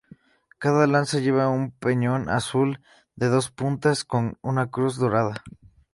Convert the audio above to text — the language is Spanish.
Cada lanza lleva un peñón azul de dos puntas con una cruz dorada.